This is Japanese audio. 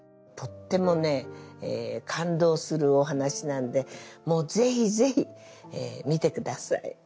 とってもね感動するお話なんでもうぜひぜひ見てください。